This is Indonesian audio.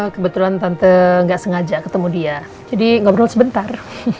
kebetulan tante gak sengaja ketemu dia jadi ngobrol sebentar